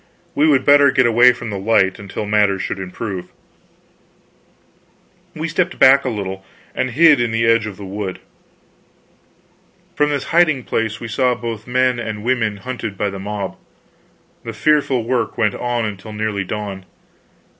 We would better get away from the light, until matters should improve. We stepped back a little, and hid in the edge of the wood. From this hiding place we saw both men and women hunted by the mob. The fearful work went on until nearly dawn.